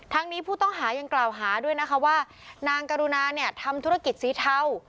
นี้ผู้ต้องหายังกล่าวหาด้วยนะคะว่านางกรุณาเนี่ยทำธุรกิจสีเทา